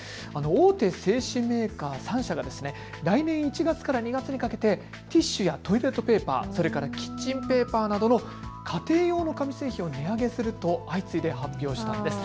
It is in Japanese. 大手製紙メーカー３社が来年１月から２月にかけてティッシュやトイレットペーパー、それからキッチンペーパーなどの家庭用の紙製品を値上げすると相次いで発表したんです。